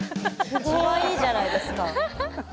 かわいいじゃないですか。